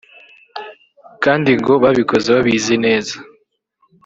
kandi ngo babikoze babizi neza